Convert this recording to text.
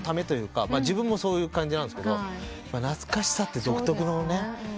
自分もそういう感じなんですけど懐かしさって独特のね。